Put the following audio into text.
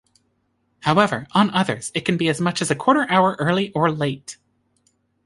However, on others, it can be as much as a quarter-hour early or late.